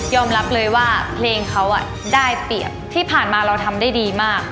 รับเลยว่าเพลงเขาได้เปรียบที่ผ่านมาเราทำได้ดีมาก